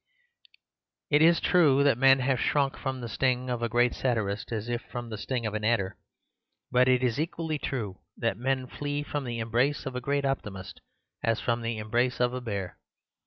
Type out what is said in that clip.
It is true that men have shrunk from the sting of a great satirist as if from the sting of an adder. But it is equally true that men flee from the embrace of a great optimist as from the embrace of a bear.